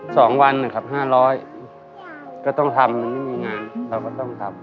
สองวันนะครับห้าร้อยก็ต้องทำมันไม่มีงานเราก็ต้องทำ